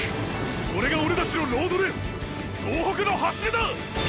それがオレたちのロードレース総北の走りだ！